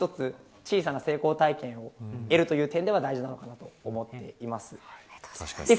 小さな成功体験を得るという点では大事だなと思います。